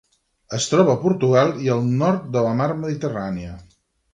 Es troba a Portugal i al nord de la Mar Mediterrània.